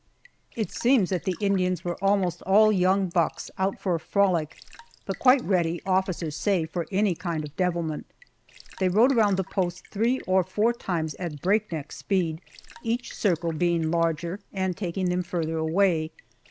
It seems that the Indians were almost all young bucks out for a frolic, but quite ready, officers say, for any kind of devilment. They rode around the post three or four times at breakneck speed, each circle being larger, and taking them farther away.